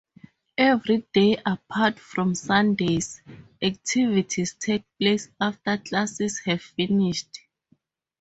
Every day, apart from Sundays, activities take place after classes have finished.